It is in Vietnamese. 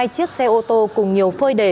hai chiếc xe ô tô cùng nhiều phơi đề